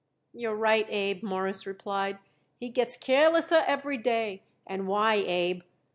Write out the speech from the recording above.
"You're right, Abe," Morris replied. "He gets carelesser every day. And why, Abe?